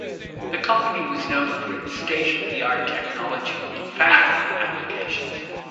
The company was known for its state of the art technology in foundry applications.